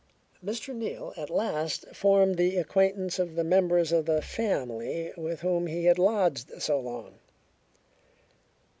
Mr. Neal at last formed the acquaintance of the members of the family with whom he had lodged so long.